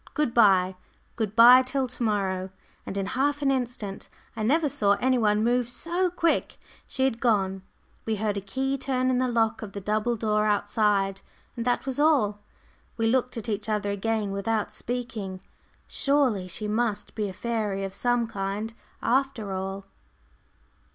Good bye; good bye till to morrow," and in half an instant I never saw any one move so quick she had gone. We heard a key turn in the lock of the double door outside, and that was all! We looked at each other again without speaking. Surely she must be a fairy of some kind, after all!